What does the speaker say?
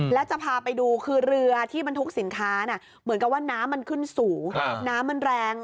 แล้วจะพาไปดูคือเรือที่บรรทุกสินค้าเหมือนกับว่าน้ำมันขึ้นสูงน้ำมันแรง